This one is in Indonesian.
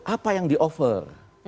apa yang di offer